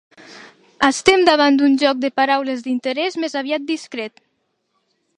Som davant d'un joc de paraules d'interès més aviat discret.